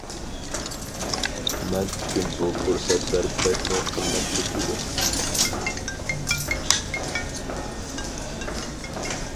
مەن ئۈچۈن بۇ پۇرسەتلەر بەكمۇ قىممەتلىك ئىدى.